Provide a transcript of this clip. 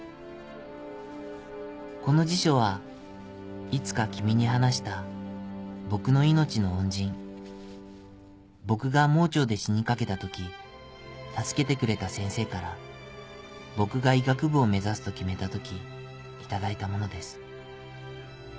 この辞書はいつか君に話した僕の命の恩人僕が盲腸で死にかけたとき助けてくれた先生から僕が医学部を目指すと決めたとき頂いた物です。